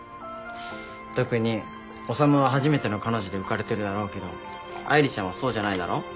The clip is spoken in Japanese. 特に修は初めての彼女で浮かれてるだろうけど愛梨ちゃんはそうじゃないだろ？